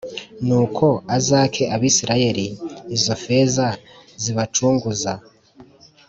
Nuko uzake Abisirayeli izo feza zibacunguza